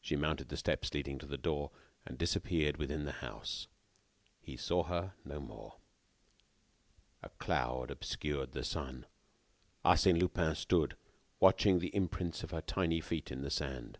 She mounted the steps leading to the door, and disappeared within the house. He saw her no more. A cloud obscured the sun. Arsène Lupin stood watching the imprints of her tiny feet in the sand.